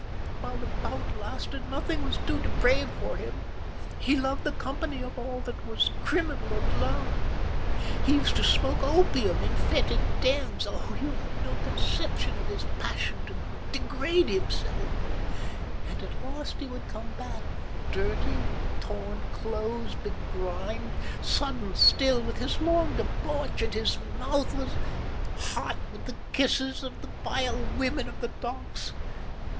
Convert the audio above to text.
While the bout lasted, nothing was too depraved for him. He loved the company of all that was criminal and low. He used to smoke opium in foetid dens—oh, you have no conception of his passion to degrade himself—and at last he would come back, dirty, with torn clothes, begrimed, sodden still with his long debauch; and his mouth was hot with the kisses of the vile women of the docks.